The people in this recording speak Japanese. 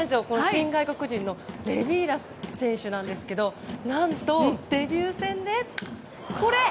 新外国人のレビーラ選手なんですけど何とデビュー戦でこれ！